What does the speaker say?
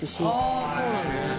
あそうなんですね。